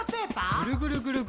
ぐるぐるぐるぐる。